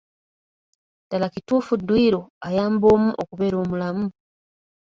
Ddala kituufu dduyiro ayamba omu okubeera omulamu?